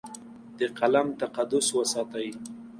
د قلم تقدس وساتئ.